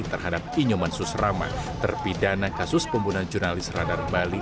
terhadap inyoman susrama terpidana kasus pembunuhan jurnalis radar bali